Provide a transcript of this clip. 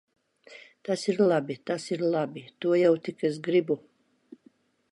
Tas ir labi! Tas ir labi! To jau tik es gribu.